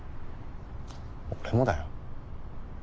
俺もだよ。